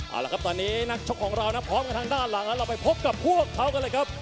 เอาละครับตอนนี้นักชกของเรานะพร้อมกันทางด้านหลังแล้วเราไปพบกับพวกเขากันเลยครับ